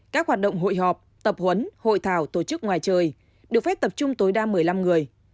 các hoạt động hội họp tập huấn hội thảo tổ chức ngoài trời được phép tập trung tối đa một mươi năm người